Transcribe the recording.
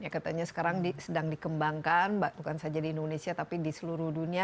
katanya sekarang sedang dikembangkan bukan saja di indonesia tapi di seluruh dunia